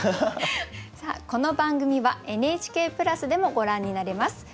さあこの番組はＮＨＫプラスでもご覧になれます。